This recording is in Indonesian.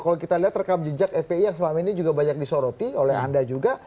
kalau kita lihat rekam jejak fpi yang selama ini juga banyak disoroti oleh anda juga